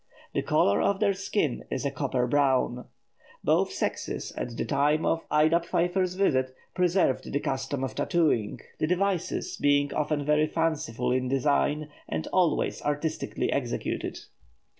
The colour of their skin is a copper brown. Both sexes, at the time of Ida Pfeiffer's visit, preserved the custom of tattooing, the devices being often very fanciful in design, and always artistically executed.